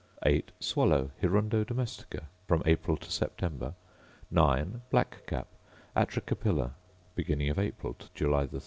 8. Swallow, Hirundo domestica: From April to September. 9. Black cap, Atricapilla: Beginning of April to July 13.